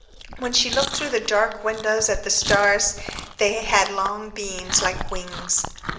When she looked through the dark windows at the stars, they had long beams like wings....